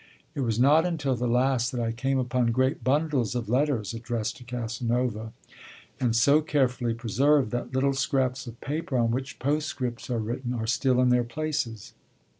It was not until the last that I came upon great bundles of letters addressed to Casanova, and so carefully preserved that little scraps of paper, on which postscripts are written, are still in their places.